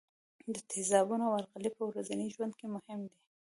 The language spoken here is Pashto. تیزابونه او القلي په ورځني ژوند کې مهم دي.